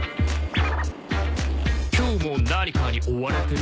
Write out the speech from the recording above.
「今日も何かに追われてる？」